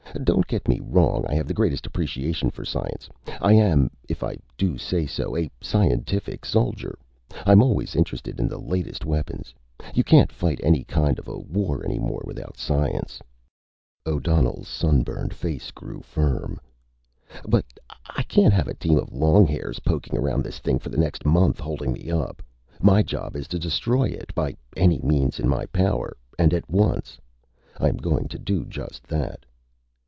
"Don't get me wrong. I have the greatest appreciation for science. I am, if I do say so, a scientific soldier. I'm always interested in the latest weapons. You can't fight any kind of a war any more without science." O'Donnell's sunburned face grew firm. "But I can't have a team of longhairs poking around this thing for the next month, holding me up. My job is to destroy it, by any means in my power, and at once. I am going to do just that."